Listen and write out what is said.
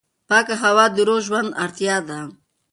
پاکه هوا د روغ ژوند اړتیا ده.